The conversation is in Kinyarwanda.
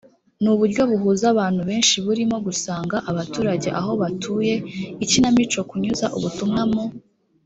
n uburyo buhuza abantu benshi burimo gusanga abaturage aho batuye ikinamico kunyuza ubutumwa mu